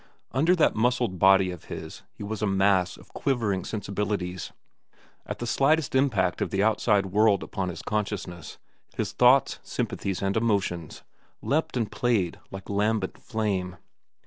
Under that muscled body of his he was a mass of quivering sensibilities. At the slightest impact of the outside world upon his consciousness, his thoughts, sympathies, and emotions leapt and played like lambent flame.